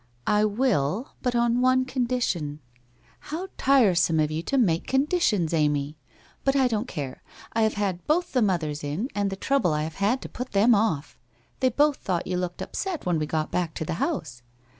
* I will, but on one condition only/ ' How tiresome of you to make conditions, Amy ! But I don't care, I have had both the mothers in, and the trouble I have had to put them off! They both thought you looked upset when we got back to the house.'